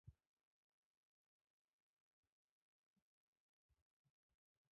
拉比达也是该修道院所在地区的名称。